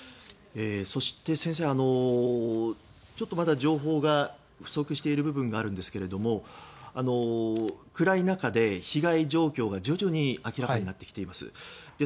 そして、先生まだ情報が不足している部分があるんですが、暗い中で被害状況が徐々に明らかになってきています。